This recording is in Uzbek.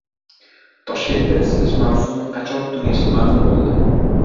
Toshkentda isitish mavsumi qachon tugashi ma’lum bo‘ldi